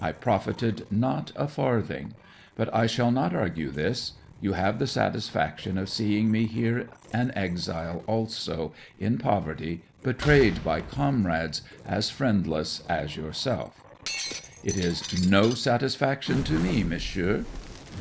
I profited not a farthing. But I shall not argue this. You have the satisfaction of seeing me here an exile also, in poverty, betrayed by comrades, as friendless as yourself." '"It is no satisfaction to me, Monsieur."